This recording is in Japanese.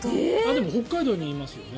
でも北海道にいますよね。